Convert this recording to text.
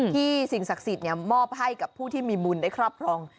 สิ่งศักดิ์สิทธิ์มอบให้กับผู้ที่มีบุญได้ครอบครอง